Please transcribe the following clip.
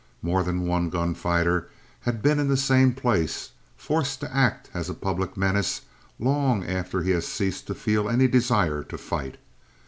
More than one gunfighter has been in the same place, forced to act as a public menace long after he has ceased to feel any desire to fight.